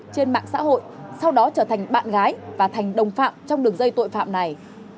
trên mạng xã hội sau đó trở thành bạn gái và thành đồng phạm trong đường dây tội phạm này